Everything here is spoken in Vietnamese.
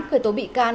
khởi tố bị can